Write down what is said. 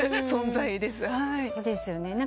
そうですよね。